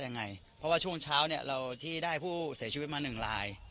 ยังไงเพราะว่าช่วงเช้าเนี่ยเราที่ได้ผู้เสียชีวิตมาหนึ่งลาย